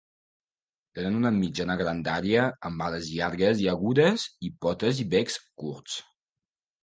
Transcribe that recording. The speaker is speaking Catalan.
Tenen una mitjana grandària, amb ales llargues i agudes i potes i becs curts.